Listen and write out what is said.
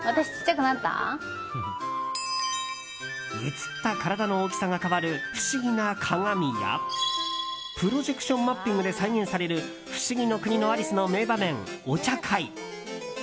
映った体の大きさが変わる不思議な鏡やプロジェクションマッピングで再現される「不思議の国のアリス」の名場面お茶会。